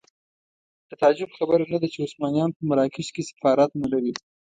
د تعجب خبره نه ده چې عثمانیان په مراکش کې سفارت نه لري.